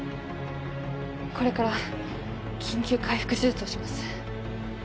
これから緊急開腹手術をします